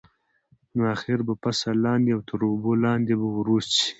نو اخر به فصل لاندې او تر اوبو لاندې به وروست شي.